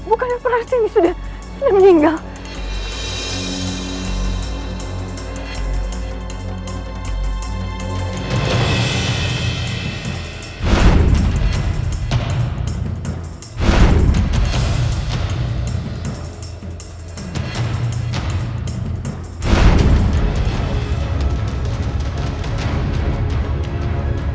aku harus mencari tempat yang lebih aman